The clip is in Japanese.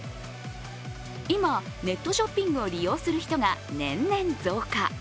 今、ネットショッピングを利用する人が年々増加。